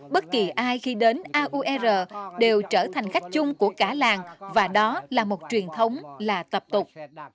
bất kỳ ai khi đến aur đều trở thành khách chung của cả làng và đó là một truyền thống là tập tục